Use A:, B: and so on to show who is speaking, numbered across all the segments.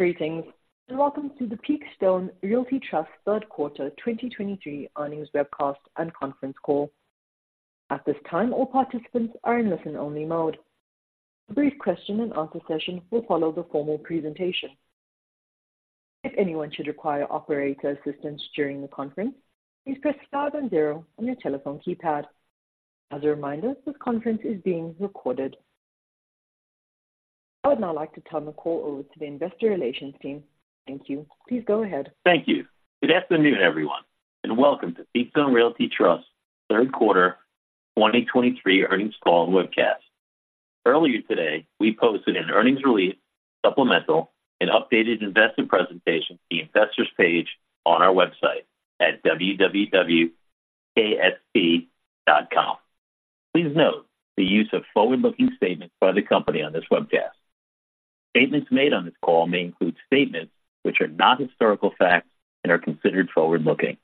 A: Greetings, and welcome to the Peakstone Realty Trust third quarter 2023 earnings webcast and conference call. At this time, all participants are in listen-only mode. A brief question and answer session will follow the formal presentation. If anyone should require operator assistance during the conference, please press star then zero on your telephone keypad. As a reminder, this conference is being recorded. I would now like to turn the call over to the investor relations team. Thank you. Please go ahead.
B: Thank you. Good afternoon, everyone, and welcome to Peakstone Realty Trust third quarter 2023 earnings call and webcast. Earlier today, we posted an earnings release, supplemental and updated investor presentation to the Investors page on our website at www.pkst.com. Please note the use of forward-looking statements by the company on this webcast. Statements made on this call may include statements which are not historical facts and are considered forward-looking.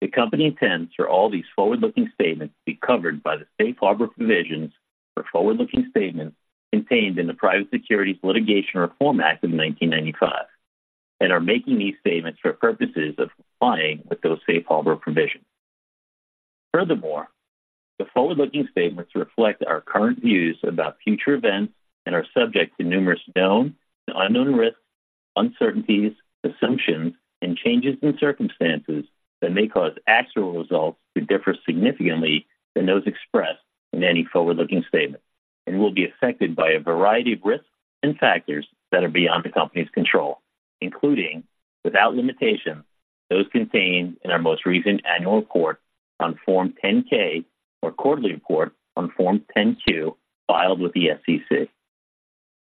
B: The company intends for all these forward-looking statements to be covered by the Safe Harbor provisions for forward-looking statements contained in the Private Securities Litigation Reform Act of 1995, and are making these statements for purposes of complying with those Safe Harbor provisions. Furthermore, the forward-looking statements reflect our current views about future events and are subject to numerous known and unknown risks, uncertainties, assumptions and changes in circumstances that may cause actual results to differ significantly than those expressed in any forward-looking statement and will be affected by a variety of risks and factors that are beyond the company's control, including, without limitation, those contained in our most recent annual report on Form 10-K or quarterly report on Form 10-Q filed with the SEC.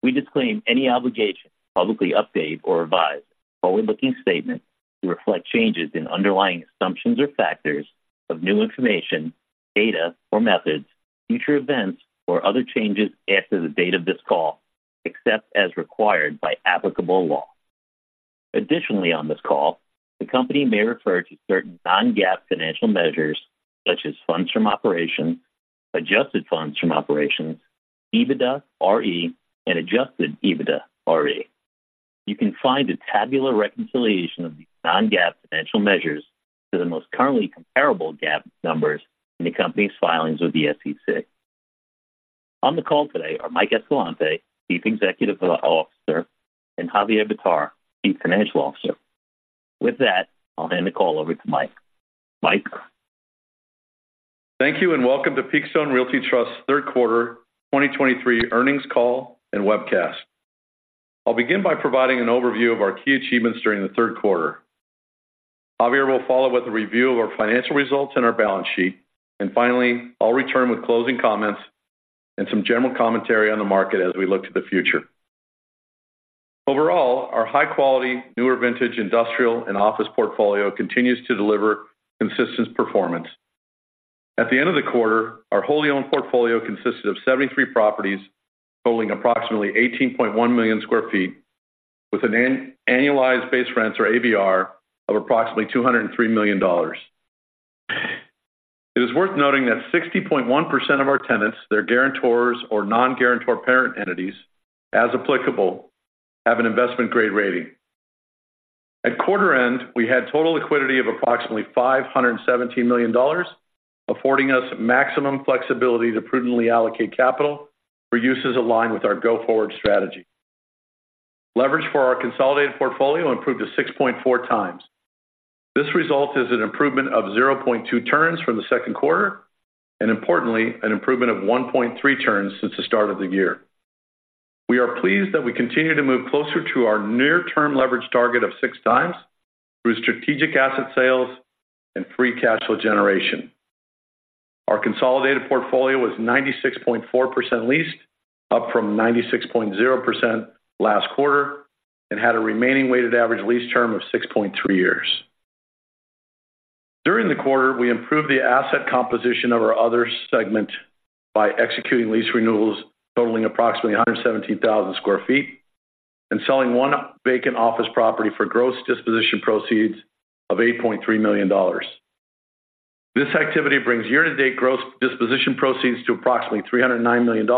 B: We disclaim any obligation to publicly update or revise forward-looking statements to reflect changes in underlying assumptions or factors of new information, data or methods, future events or other changes after the date of this call, except as required by applicable law. Additionally, on this call, the company may refer to certain non-GAAP financial measures such as funds from operations, adjusted funds from operations, EBITDARE, and adjusted EBITDARE. You can find a tabular reconciliation of these non-GAAP financial measures to the most currently comparable GAAP numbers in the company's filings with the SEC. On the call today are Mike Escalante, Chief Executive Officer, and Javier Bitar, Chief Financial Officer. With that, I'll hand the call over to Mike. Mike?
C: Thank you, and welcome to Peakstone Realty Trust third quarter 2023 earnings call and webcast. I'll begin by providing an overview of our key achievements during the third quarter. Javier will follow with a review of our financial results and our balance sheet, and finally, I'll return with closing comments and some general commentary on the market as we look to the future. Overall, our high quality, newer vintage, industrial and office portfolio continues to deliver consistent performance. At the end of the quarter, our wholly owned portfolio consisted of 73 properties, totaling approximately 18.1 million sq ft, with an annualized base rents or ABR of approximately $203 million. It is worth noting that 60.1% of our tenants, their guarantors or non-guarantor parent entities, as applicable, have an investment grade rating. At quarter end, we had total liquidity of approximately $517 million, affording us maximum flexibility to prudently allocate capital for uses aligned with our go-forward strategy. Leverage for our consolidated portfolio improved to 6.4x. This result is an improvement of 0.2 turns from the second quarter, and importantly, an improvement of 1.3 turns since the start of the year. We are pleased that we continue to move closer to our near term leverage target of 6x through strategic asset sales and free cash flow generation. Our consolidated portfolio was 96.4% leased, up from 96.0% last quarter, and had a remaining weighted average lease term of 6.3 years. During the quarter, we improved the asset composition of our other segment by executing lease renewals totaling approximately 117,000 sq ft, and selling one vacant office property for gross disposition proceeds of $8.3 million. This activity brings year-to-date gross disposition proceeds to approximately $309 million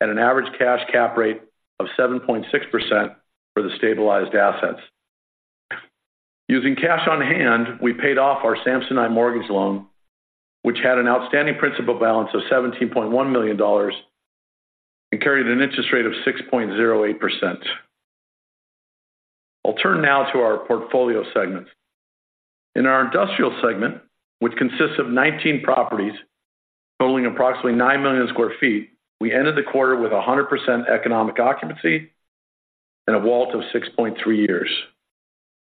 C: at an average cash cap rate of 7.6% for the stabilized assets. Using cash on hand, we paid off our Samsonite mortgage loan, which had an outstanding principal balance of $17.1 million and carried an interest rate of 6.08%. I'll turn now to our portfolio segments. In our industrial segment, which consists of 19 properties totaling approximately 9 million sq ft, we ended the quarter with 100% economic occupancy and a WALT of 6.3 years.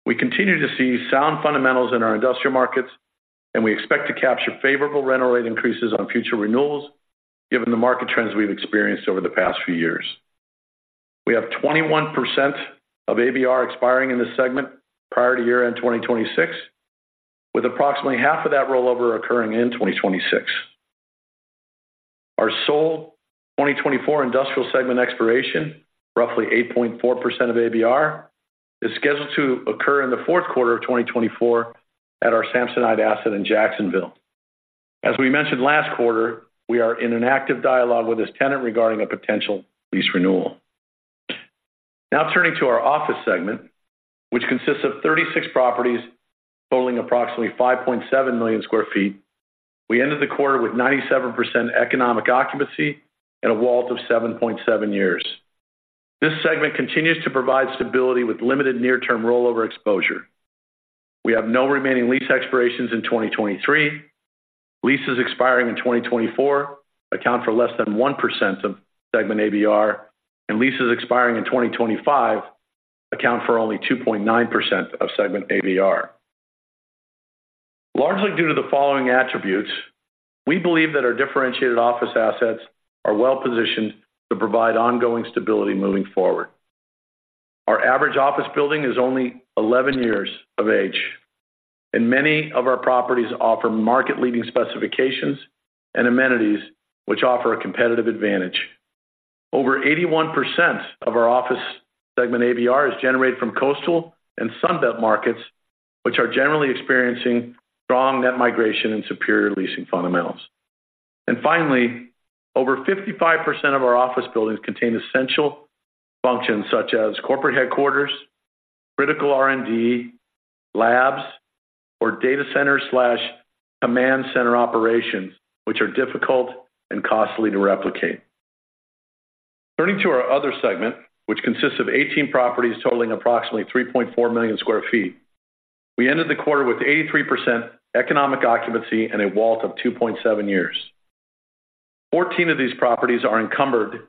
C: We continue to see sound fundamentals in our industrial markets, and we expect to capture favorable rental rate increases on future renewals, given the market trends we've experienced over the past few years. We have 21% of ABR expiring in this segment prior to year-end 2026, with approximately half of that rollover occurring in 2026. Our sole 2024 industrial segment expiration, roughly 8.4% of ABR, is scheduled to occur in the fourth quarter of 2024 at our Samsonite asset in Jacksonville. As we mentioned last quarter, we are in an active dialogue with this tenant regarding a potential lease renewal. Now turning to our office segment, which consists of 36 properties totaling approximately 5.7 million sq ft. We ended the quarter with 97% economic occupancy and a WALT of 7.7 years. This segment continues to provide stability with limited near-term rollover exposure. We have no remaining lease expirations in 2023. Leases expiring in 2024 account for less than 1% of segment ABR, and leases expiring in 2025 account for only 2.9% of segment ABR. Largely due to the following attributes, we believe that our differentiated office assets are well positioned to provide ongoing stability moving forward. Our average office building is only 11 years of age, and many of our properties offer market-leading specifications and amenities which offer a competitive advantage. Over 81% of our office segment ABR is generated from coastal and Sun Belt markets, which are generally experiencing strong net migration and superior leasing fundamentals. Finally, over 55% of our office buildings contain essential functions such as corporate headquarters, critical R&D, labs, or data center slash command center operations, which are difficult and costly to replicate. Turning to our other segment, which consists of 18 properties totaling approximately 3.4 million sq ft, we ended the quarter with 83% economic occupancy and a WALT of 2.7 years. 14 of these properties are encumbered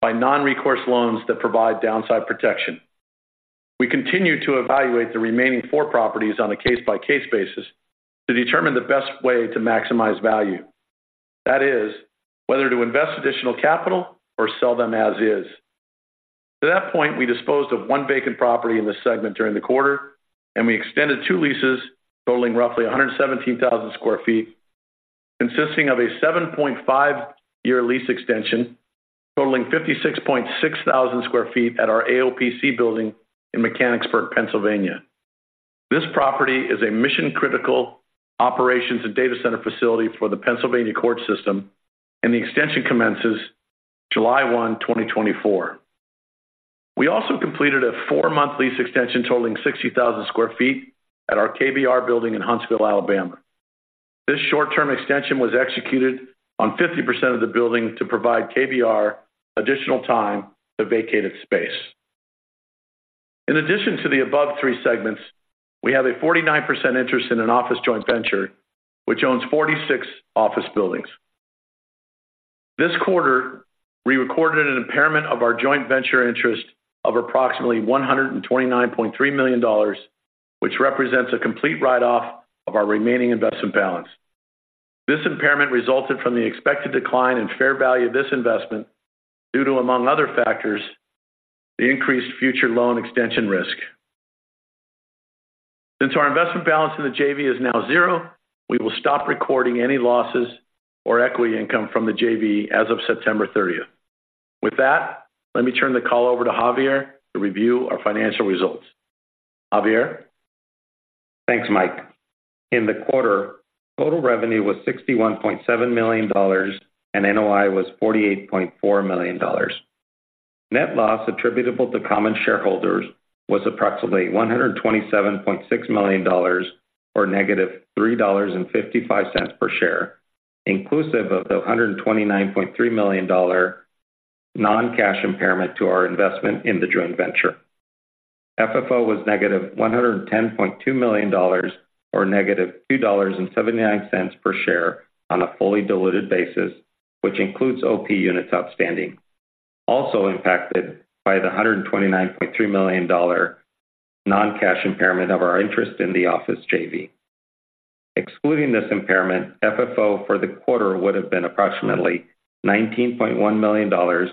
C: by non-recourse loans that provide downside protection. We continue to evaluate the remaining four properties on a case-by-case basis to determine the best way to maximize value. That is, whether to invest additional capital or sell them as is. To that point, we disposed of one vacant property in this segment during the quarter, and we extended two leases totaling roughly 117,000 sq ft, consisting of a 7.5-year lease extension, totaling 56,600 sq ft at our AOPC building in Mechanicsburg, Pennsylvania. This property is a mission-critical operations and data center facility for the Pennsylvania court system, and the extension commences July 1, 2024. We also completed a four-month lease extension totaling 60,000 sq ft at our KBR building in Huntsville, Alabama. This short-term extension was executed on 50% of the building to provide KBR additional time to vacate its space. In addition to the above three segments, we have a 49% interest in an office joint venture, which owns 46 office buildings. This quarter, we recorded an impairment of our joint venture interest of approximately $129.3 million, which represents a complete write-off of our remaining investment balance. This impairment resulted from the expected decline in fair value of this investment due to, among other factors, the increased future loan extension risk. Since our investment balance in the JV is now zero, we will stop recording any losses or equity income from the JV as of September 30. With that, let me turn the call over to Javier to review our financial results. Javier?
D: Thanks, Mike. In the quarter, total revenue was $61.7 million, and NOI was $48.4 million. Net loss attributable to common shareholders was approximately $127.6 million, or negative $3.55 per share, inclusive of the $129.3 million non-cash impairment to our investment in the joint venture. FFO was negative $110.2 million or negative $2.79 per share on a fully diluted basis, which includes OP units outstanding, also impacted by the $129.3 million non-cash impairment of our interest in the office JV. Excluding this impairment, FFO for the quarter would have been approximately $19.1 million or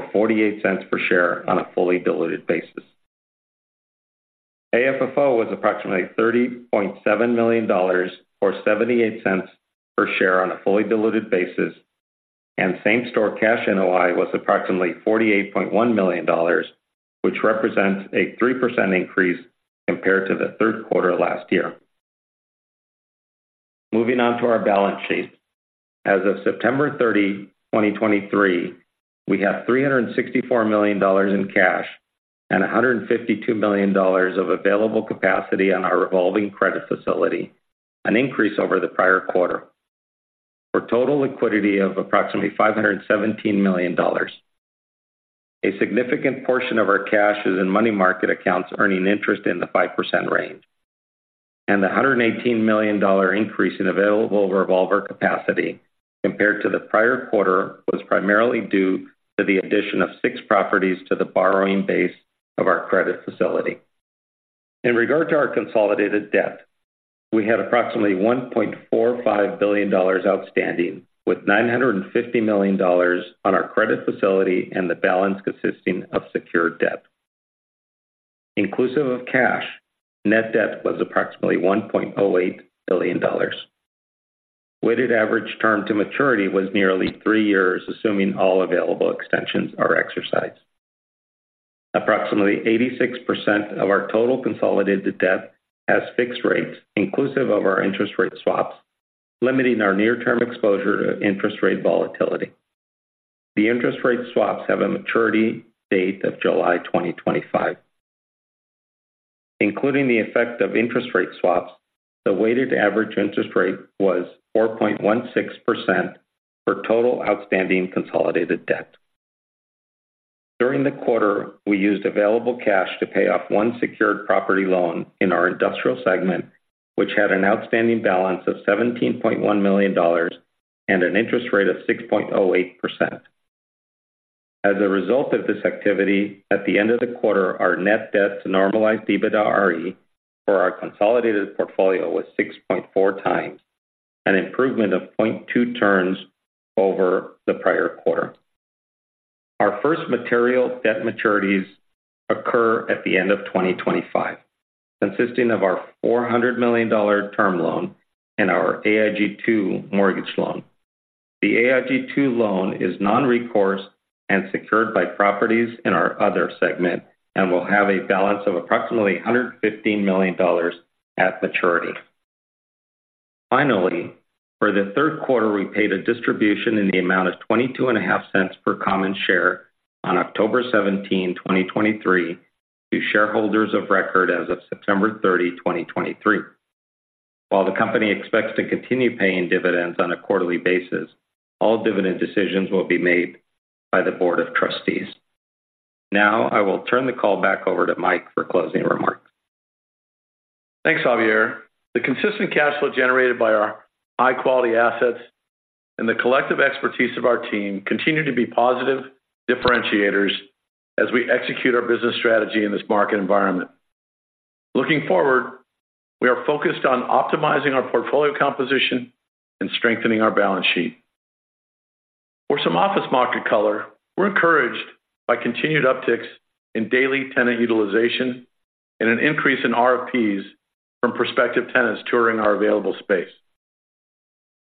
D: $0.48 per share on a fully diluted basis. AFFO was approximately $30.7 million or $0.78 per share on a fully diluted basis, and Same Store Cash NOI was approximately $48.1 million, which represents a 3% increase compared to the third quarter last year. Moving on to our balance sheet. As of September 30, 2023, we have $364 million in cash and $152 million of available capacity on our revolving credit facility, an increase over the prior quarter, for total liquidity of approximately $517 million. A significant portion of our cash is in money market accounts, earning interest in the 5% range, and the $118 million increase in available revolver capacity compared to the prior quarter was primarily due to the addition of six properties to the borrowing base of our credit facility. In regard to our consolidated debt, we had approximately $1.45 billion outstanding, with $950 million on our credit facility and the balance consisting of secured debt. Inclusive of cash, net debt was approximately $1.08 billion. Weighted average term to maturity was nearly 3 years, assuming all available extensions are exercised. Approximately 86% of our total consolidated debt has fixed rates, inclusive of our interest rate swaps, limiting our near-term exposure to interest rate volatility. The interest rate swaps have a maturity date of July 2025. Including the effect of interest rate swaps, the weighted average interest rate was 4.16% for total outstanding consolidated debt. During the quarter, we used available cash to pay off one secured property loan in our industrial segment, which had an outstanding balance of $17.1 million and an interest rate of 6.08%. As a result of this activity, at the end of the quarter, our net debt to normalized EBITDARE for our consolidated portfolio was 6.4x, an improvement of 0.2 turns over the prior quarter. Our first material debt maturities occur at the end of 2025, consisting of our $400 million term loan and our AIG Two mortgage loan. The AIG Two loan is non-recourse and secured by properties in our other segment and will have a balance of approximately $115 million at maturity. Finally, for the third quarter, we paid a distribution in the amount of $0.225 per common share on October 17, 2023, to shareholders of record as of September 30, 2023. While the company expects to continue paying dividends on a quarterly basis, all dividend decisions will be made by the Board of Trustees. Now, I will turn the call back over to Mike for closing remarks.
C: Thanks, Javier. The consistent cash flow generated by our high-quality assets and the collective expertise of our team continue to be positive differentiators as we execute our business strategy in this market environment. Looking forward, we are focused on optimizing our portfolio composition and strengthening our balance sheet. For some office market color, we're encouraged by continued upticks in daily tenant utilization and an increase in RFPs from prospective tenants touring our available space.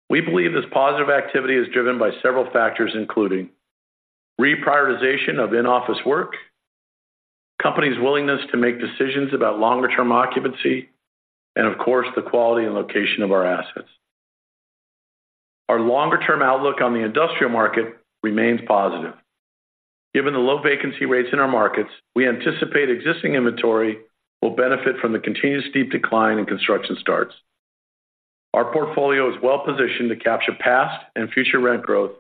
C: We believe this positive activity is driven by several factors, including reprioritization of in-office work, companies' willingness to make decisions about longer-term occupancy, and of course, the quality and location of our assets. Our longer-term outlook on the industrial market remains positive. Given the low vacancy rates in our markets, we anticipate existing inventory will benefit from the continuous steep decline in construction starts. Our portfolio is well positioned to capture past and future rent growth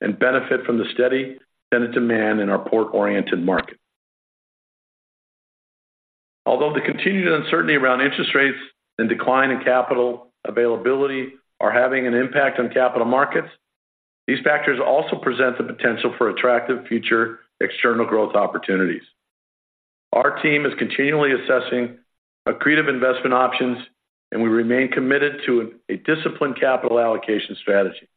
C: and benefit from the steady tenant demand in our port-oriented market. Although the continued uncertainty around interest rates and decline in capital availability are having an impact on capital markets, these factors also present the potential for attractive future external growth opportunities. Our team is continually assessing accretive investment options, and we remain committed to a disciplined capital allocation strategy.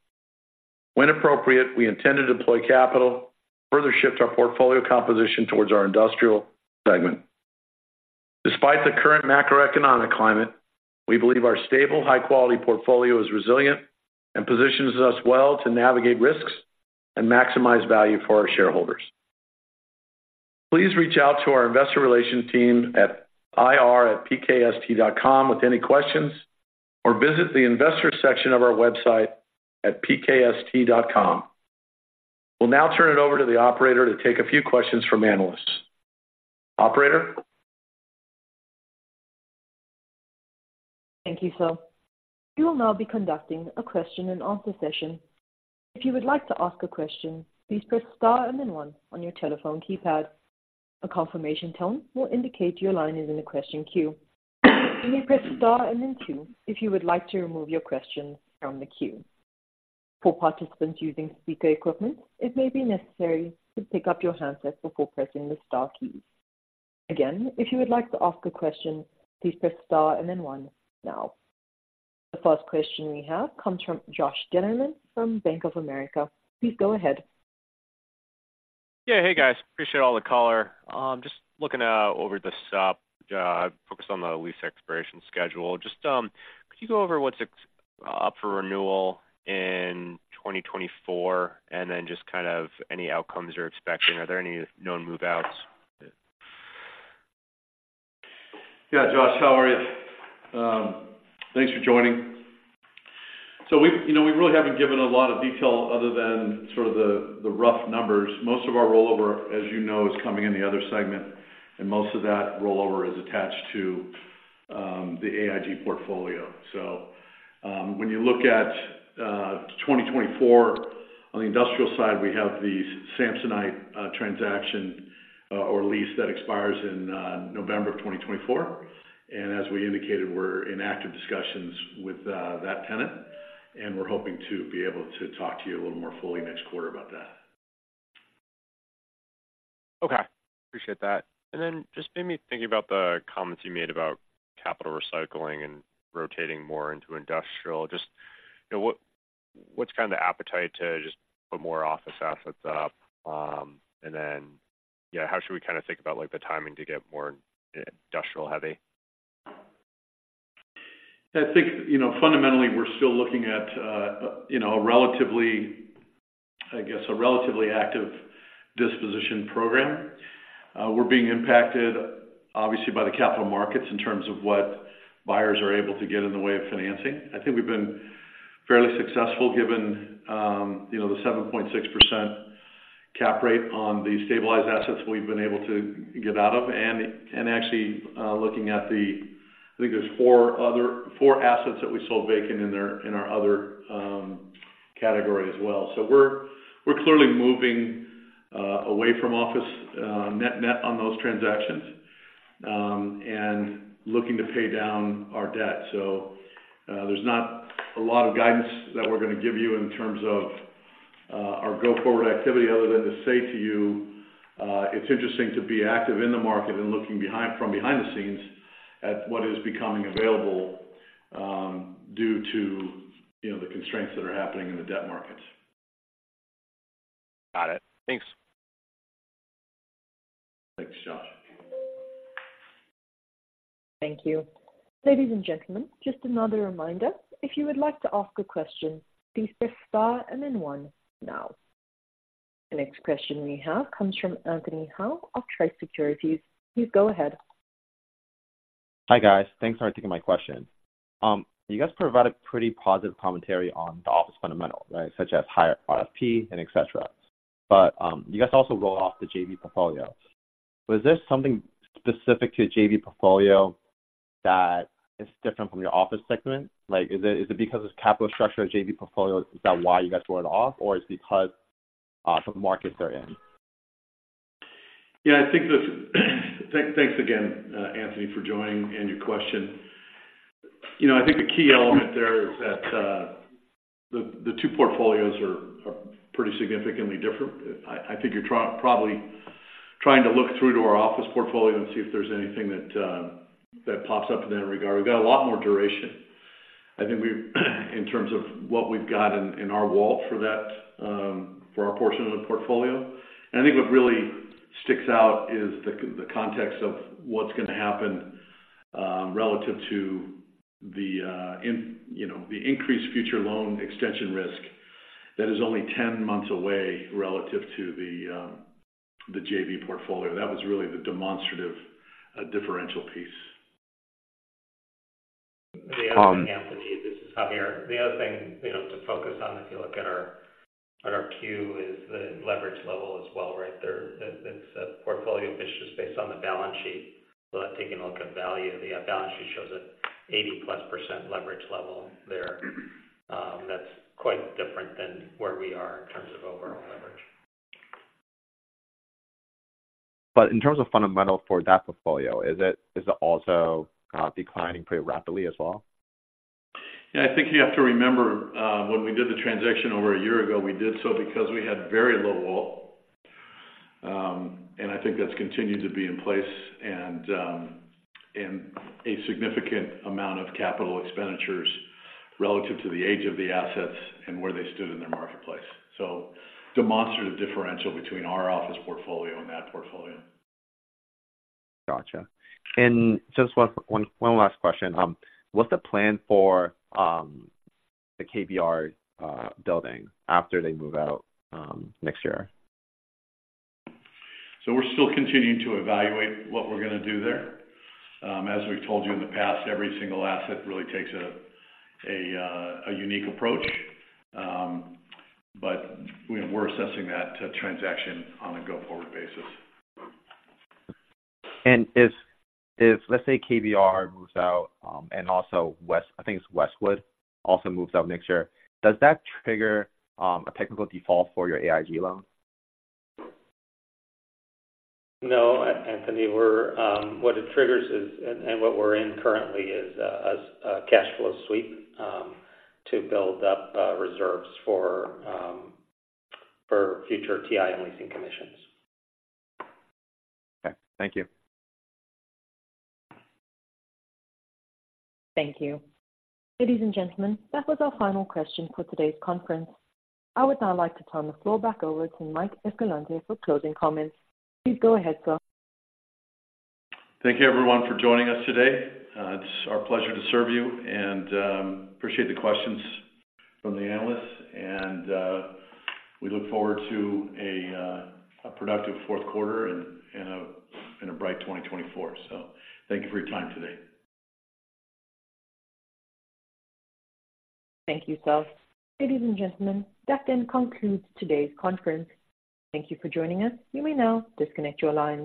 C: When appropriate, we intend to deploy capital to further shift our portfolio composition towards our industrial segment. Despite the current macroeconomic climate, we believe our stable, high-quality portfolio is resilient and positions us well to navigate risks and maximize value for our shareholders. Please reach out to our investor relations team at ir@pkst.com with any questions, or visit the investor section of our website at pkst.com.We'll now turn it over to the operator to take a few questions from analysts. Operator?
A: Thank you, sir. We will now be conducting a question and answer session. If you would like to ask a question, please press Star and then one on your telephone keypad. A confirmation tone will indicate your line is in the question queue. You may press Star and then two, if you would like to remove your question from the queue. For participants using speaker equipment, it may be necessary to pick up your handset before pressing the star key. Again, if you would like to ask a question, please press Star and then one now. The first question we have comes from Joshua Dennerlein from Bank of America. Please go ahead.
E: Yeah. Hey, guys. Appreciate all the color. Just looking over the stop, focused on the lease expiration schedule. Just could you go over what's up for renewal in 2024, and then just kind of any outcomes you're expecting? Are there any known move-outs?
C: Yeah, Josh, how are you? Thanks for joining. So we've, you know, we really haven't given a lot of detail other than sort of the rough numbers. Most of our rollover, as you know, is coming in the other segment, and most of that rollover is attached to the AIG portfolio. So, when you look at 2024, on the industrial side, we have the Samsonite transaction or lease that expires in November 2024. And as we indicated, we're in active discussions with that tenant, and we're hoping to be able to talk to you a little more fully next quarter about that.
E: Okay. Appreciate that. And then just made me think about the comments you made about capital recycling and rotating more into industrial. Just, you know, what, what's kind of the appetite to just put more office assets up? And then, yeah, how should we kinda think about, like, the timing to get more industrial heavy?
C: I think, you know, fundamentally, we're still looking at, a relatively, I guess, a relatively active disposition program. We're being impacted, obviously, by the capital markets in terms of what buyers are able to get in the way of financing. I think we've been fairly successful, given, you know, the 7.6% cap rate on the stabilized assets we've been able to get out of, and, actually, looking at the... I think there's four other - four assets that we sold vacant in their, in our other, category as well. So we're, we're clearly moving, away from office, net-net on those transactions, and looking to pay down our debt. So, there's not a lot of guidance that we're going to give you in terms of our go-forward activity, other than to say to you, it's interesting to be active in the market and looking from behind the scenes at what is becoming available, due to, you know, the constraints that are happening in the debt markets.
E: Got it. Thanks.
C: Thanks, Josh.
A: Thank you. Ladies and gentlemen, just another reminder, if you would like to ask a question, please press star and then one now. The next question we have comes from Anthony Hau of Truist Securities. Please go ahead.
F: Hi, guys. Thanks for taking my question. You guys provided pretty positive commentary on the office fundamentals, right? Such as higher RFP and et cetera. But, you guys also wrote off the JV portfolio. Was there something specific to the JV portfolio that is different from your office segment? Like, is it because it's capital structure of JV portfolio? Is that why you guys wrote it off, or it's because the markets are in?
C: Yeah, I think-- Thanks, thanks again, Anthony, for joining and your question. You know, I think the key element there is that the two portfolios are pretty significantly different. I think you're probably trying to look through to our office portfolio and see if there's anything that that pops up in that regard. We've got a lot more duration. I think we've in terms of what we've got in our WALT for that for our portion of the portfolio. And I think what really sticks out is the context of what's going to happen relative to you know, the increased future loan extension risk that is only 10 months away relative to the JV portfolio. That was really the demonstrative differential piece.
D: Anthony, this is Javier. The other thing, you know, to focus on, if you look at our 10-Q, is the leverage level as well, right there. It's a portfolio LTV basis based on the balance sheet. So taking a look at NAV, the balance sheet shows an 80%+ leverage level there. That's quite different than where we are in terms of overall leverage.
F: But in terms of fundamentals for that portfolio, is it, is it also declining pretty rapidly as well?
C: Yeah, I think you have to remember, when we did the transaction over a year ago, we did so because we had very low WALT. And I think that's continued to be in place and, in a significant amount of capital expenditures relative to the age of the assets and where they stood in their marketplace. So demonstrative differential between our office portfolio and that portfolio.
F: Gotcha. Just one last question. What's the plan for the KBR building after they move out next year?
C: So we're still continuing to evaluate what we're going to do there. As we've told you in the past, every single asset really takes a unique approach. But we're assessing that transaction on a go-forward basis.
F: If, let's say, KBR moves out, and also West—I think it's Westwood—also moves out next year, does that trigger a technical default for your AIG loan?
D: No, Anthony. What it triggers is, and what we're in currently is, a cash flow sweep to build up reserves for future TI and leasing commissions.
F: Okay. Thank you.
A: Thank you. Ladies and gentlemen, that was our final question for today's conference. I would now like to turn the floor back over to Mike Escalante for closing comments. Please go ahead, sir.
C: Thank you, everyone, for joining us today. It's our pleasure to serve you, and appreciate the questions from the analysts, and we look forward to a productive fourth quarter and a bright 2024. So thank you for your time today.
A: Thank you, sir. Ladies and gentlemen, that then concludes today's conference. Thank you for joining us. You may now disconnect your lines.